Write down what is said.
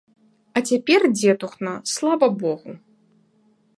А цяпер, дзетухна, слава богу.